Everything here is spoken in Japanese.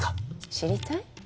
知りたい？